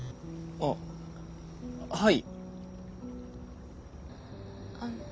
あっはい。